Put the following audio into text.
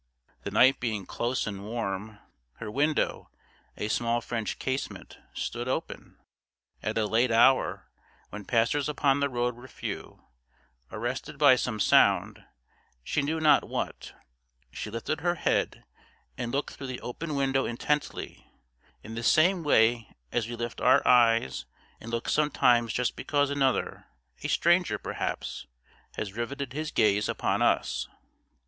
The night being close and warm, her window, a small French casement, stood open. At a late hour, when passers upon the road were few, arrested by some sound, she knew not what, she lifted her head and looked through the open window intently, in the same way as we lift our eyes and look sometimes just because another, a stranger perhaps, has riveted his gaze upon us.